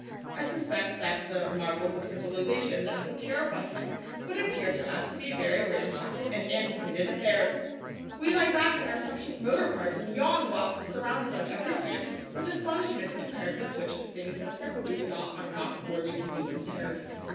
I suspect that the 'marvels of civilization' that so terrified him would appear to us to be very ramshackle and antiquated affairs. We lie back in our sumptuous motor cars and yawn whilst surrounded on every hand with astonishments compared with which the things that Sekwebu saw are not worthy to be compared.